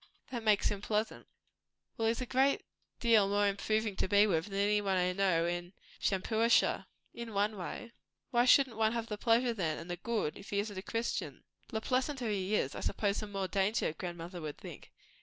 That makes him pleasant." "Well, he's a great deal more improving to be with than anybody I know in Shampuashuh." "In one way." "Why shouldn't one have the pleasure, then, and the good, if he isn't a Christian?" "The pleasanter he is, I suppose the more danger, grandmother would think."